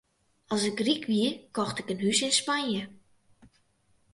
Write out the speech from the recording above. As ik ryk wie, kocht ik in hûs yn Spanje.